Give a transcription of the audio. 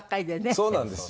そうなんですよ。